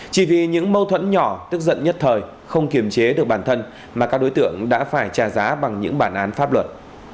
chỉ vì những mâu thuẫn nhỏ tức giận nhất thời không kiềm chế được bản thân mà các đối tượng đã phải trả giá bằng những bản án pháp luật